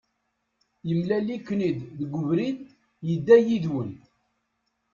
Yemlal-iken-id deg ubrid, yedda yid-wen.